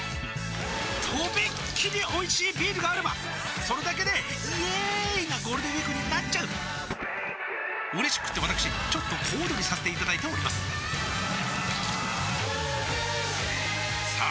とびっきりおいしいビールがあればそれだけでイエーーーーーイなゴールデンウィークになっちゃううれしくってわたくしちょっと小躍りさせていただいておりますさあ